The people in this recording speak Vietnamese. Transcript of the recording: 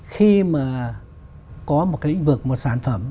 khi mà có một cái lĩnh vực một sản phẩm